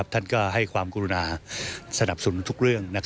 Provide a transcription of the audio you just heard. ท่านก็ให้ความกรุณาสนับสนุนทุกเรื่อง